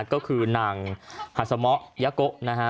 ก็คือนางหัสมะยะก๊ะ